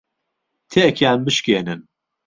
تێکیان بشکێنن.